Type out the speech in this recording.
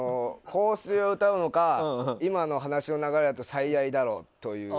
「香水」を歌うのか今の話の流れだと「最愛」だろうという。